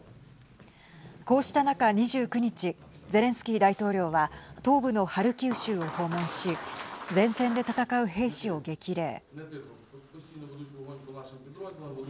こうした中、２９日ゼレンスキー大統領は東部のハルキウ州を訪問し前線で戦う兵士を激励。